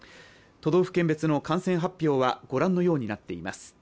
都道府県別の感染発表は御覧のようになっています。